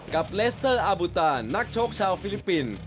เลสเตอร์อาบูตานนักชกชาวฟิลิปปินส์